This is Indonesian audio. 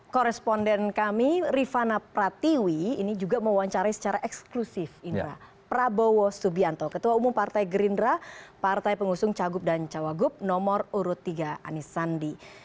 koresponden kami rifana pratiwi ini juga mewawancari secara eksklusif indra prabowo subianto ketua umum partai gerindra partai pengusung cagup dan cawagup nomor urut tiga anis sandi